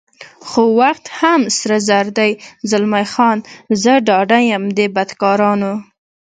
خو وخت هم سره زر دی، زلمی خان: زه ډاډه یم دې بدکارانو.